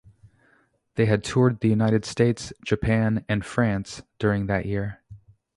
They had toured the United States, Japan and France during that year.